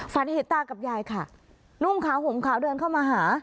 ฝันเห็นตากับยายค่ะนุ่งขาวห่มขาวเดินเข้ามาหา